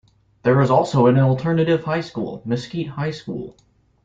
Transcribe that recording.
There is also an alternative high school, Mesquite High School.